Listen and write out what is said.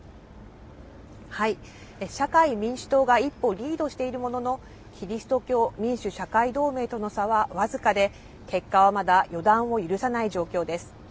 社会民主党が一歩リードしているものの、キリスト教民主・社会同盟との差は僅かで、結果はまだ予断を許さない状況です。